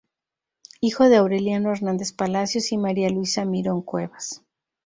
Hijo de Aureliano Hernández Palacios y María Luisa Mirón Cuevas.